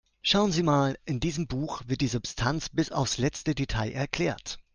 Schauen Sie mal, in diesem Buch wird die Substanz bis aufs letzte Detail erklärt.